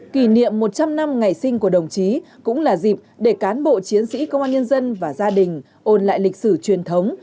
kỷ niệm một trăm linh năm ngày sinh của đồng chí cũng là dịp để cán bộ chiến sĩ công an nhân dân và gia đình ôn lại lịch sử truyền thống